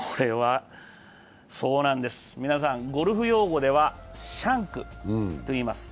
そうなんです、皆さん、ゴルフ用語ではシャンクといいます。